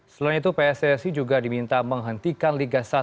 selain itu pssi juga diminta menghentikan liga satu